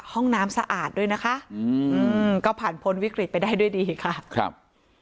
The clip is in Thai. ห้องน้ำสะอาดด้วยนะคะอืมก็ผ่านพ้นวิกฤตไปได้ด้วยดีค่ะครับ